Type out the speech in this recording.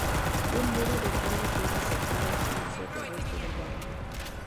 Un muro de gran altura separa el palacio del resto del barrio.